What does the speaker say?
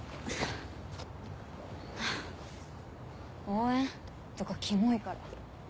応援？とかキモいから。